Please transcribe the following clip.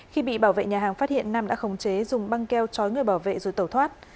khi bị bảo vệ nhà hàng phát hiện nam đã khống chế dùng băng keo chói người bảo vệ rồi tẩu thoát